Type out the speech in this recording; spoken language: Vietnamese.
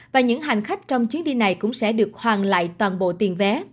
và những hành khách trong chuyến đi này cũng sẽ được hoàn lại toàn bộ tiền vé